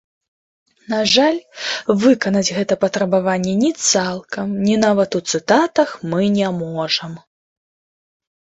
На жаль, выканаць гэта патрабаванне ні цалкам, ні нават у цытатах мы не можам.